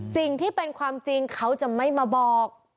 สิ่งที่เป็นความจริงเขาจะไม่มาบอก